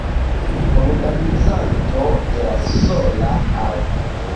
Organizanto de la sola Aŭ.